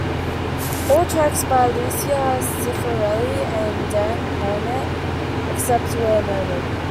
All tracks by Lucia Cifarelli and Dan Harnett except where noted.